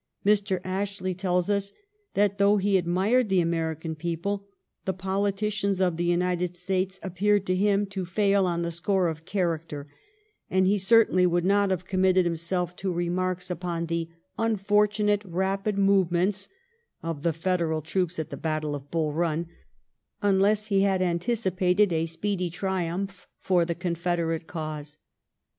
Mr. Ashley tells us that though he admired the American people, the politicians of the United States appeared to him to fail on the score of character; and he certainly would not have committed himself to remarks ahout the un fortunate rapid movements " of the Federal troops at the battle of Bull's Bun, unless he had anticipated a speedy triumph for the Confederate cause.